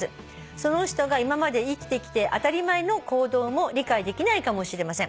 「その人が今まで生きてきて当たり前の行動も理解できないかもしれません」